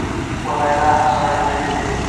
په لیلا هر سړی مين دی